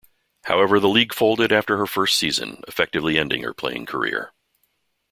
However, the league folded after her first season, effectively ending her playing career.